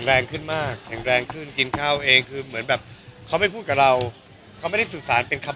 หรือว่าเราควรจะไปถามพระหรือไง